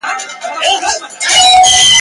په یارانو چي یې زهر نوشوله !.